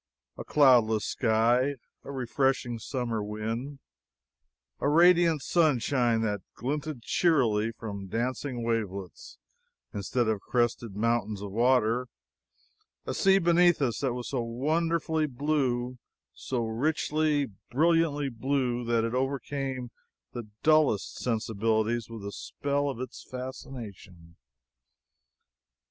A cloudless sky; a refreshing summer wind; a radiant sunshine that glinted cheerily from dancing wavelets instead of crested mountains of water; a sea beneath us that was so wonderfully blue, so richly, brilliantly blue, that it overcame the dullest sensibilities with the spell of its fascination.